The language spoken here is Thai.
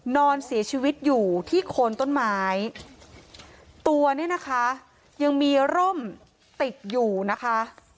นอนเสียชีวิตอยู่ที่โคนต้นไม้ตัวเนี่ยนะคะยังมีร่มติดอยู่นะคะ